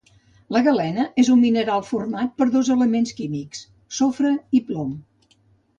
La galena és un mineral format per dos elements químics sofre i plom